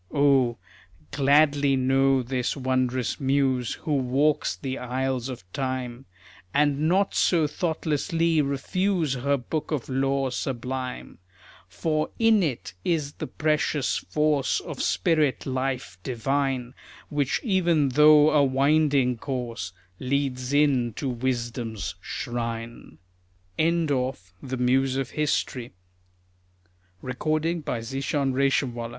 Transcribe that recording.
Oh, gladly know this wondrous muse Who walks the aisles of Time, And not so thoughtlessly refuse Her book of lore sublime; For in it is the precious force Of spirit life divine, Which even through a winding course Leads in to Wisdom's shrine. AN IMPROMPTU. (_Written for G. H. T., on the death of W. S. T., March, 1889.